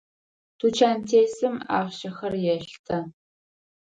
Тучантесым ахъщэхэр елъытэ.